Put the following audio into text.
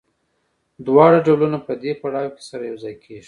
دواړه ډولونه په دې پړاو کې سره یوځای کېږي